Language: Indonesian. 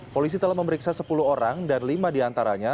polisi telah memeriksa sepuluh orang dan lima di antaranya